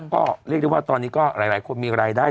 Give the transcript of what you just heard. ก็เรียกได้ว่าตอนนี้ก็หลายคนมีรายได้